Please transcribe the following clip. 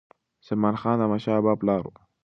زمان خان د احمدشاه بابا پلار و.